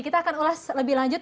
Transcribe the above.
kita akan ulas lebih lanjut